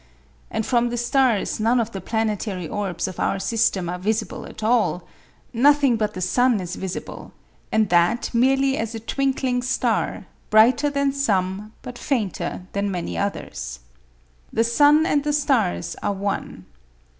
And from the stars none of the planetary orbs of our system are visible at all; nothing but the sun is visible, and that merely as a twinkling star, brighter than some, but fainter than many others. The sun and the stars are one.